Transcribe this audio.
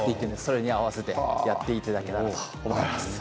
それに合わせてやっていただければと思います。